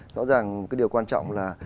rõ ràng cái điều quan trọng là